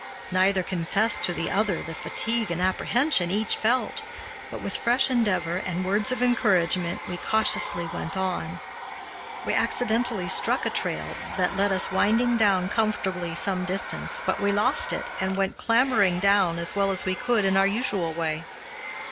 Neither confessed to the other the fatigue and apprehension each felt, but, with fresh endeavor and words of encouragement, we cautiously went on. We accidentally struck a trail that led us winding down comfortably some distance, but we lost it, and went clambering down as well as we could in our usual way.